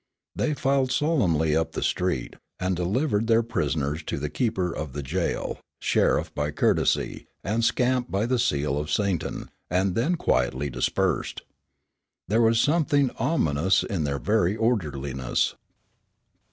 They filed solemnly up the street, and delivered their prisoners to the keeper of the jail, sheriff, by courtesy, and scamp by the seal of Satan; and then quietly dispersed. There was something ominous in their very orderliness.